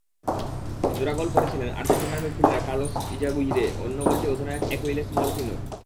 জোড়া গোল করেছিলেন আর্জেন্টিনার মিডফিল্ডার কার্লোস ইজাগুইরে, অন্য গোলটি অধিনায়ক অ্যাকুইলেস মলফিনোর।